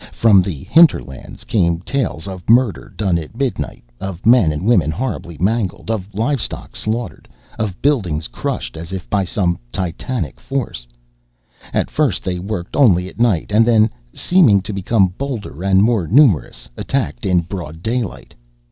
From the hinterlands came tales of murder done at midnight, of men and women horribly mangled, of livestock slaughtered, of buildings crushed as if by some titanic force. "At first they worked only at night and then, seeming to become bolder and more numerous, attacked in broad daylight."